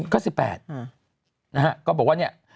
ก็๑๘นะฮะก็บอกว่าเนี่ย